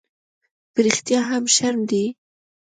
_په رښتيا هم، شرم دی؟